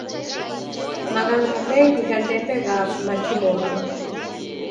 Maghanga mengi gha ndembe ghafuma kimonu.